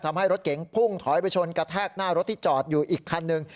ทำให้รถเก๋งพุ่งถอยไปชนกระแทกหน้ารถที่จอดอยู่อีกคันหนึ่ง